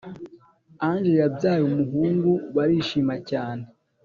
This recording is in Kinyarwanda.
Ange yabyaye umuhungu barishima cyane